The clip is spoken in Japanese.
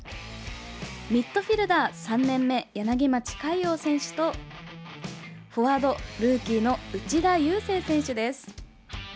ミッドフィールダー、３年目柳町魁耀選手とフォワード、ルーキーの内田優晟選手です。